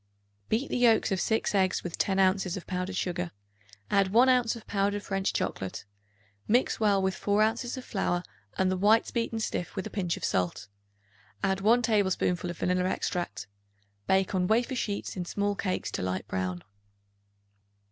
Beat the yolks of 6 eggs with 10 ounces of powered sugar; add 1 ounce of powdered French chocolate. Mix well with 4 ounces of flour and the whites beaten stiff with a pinch of salt; add 1 tablespoonful of vanilla extract. Bake on wafer sheets in small cakes to a light brown.